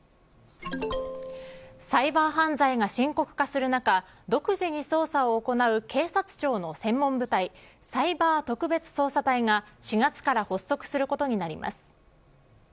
サイバー犯罪が深刻化する中独自に捜査を行う警察庁の専門部隊サイバー特別捜査隊が４月から発足することになります。